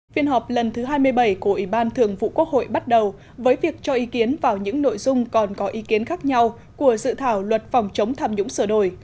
phiên họp lần thứ hai mươi bảy của ủy ban thường vụ quốc hội bắt đầu với việc cho ý kiến vào những nội dung còn có ý kiến khác nhau của dự thảo luật phòng chống tham nhũng sửa đổi